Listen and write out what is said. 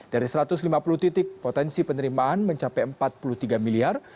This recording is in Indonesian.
dari satu ratus lima puluh titik potensi penerimaan mencapai empat puluh tiga miliar